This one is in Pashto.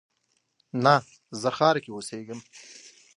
نه، زه ښار کې اوسیږم